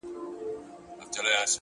د ژوند پر هره لاره و بلا ته درېږم”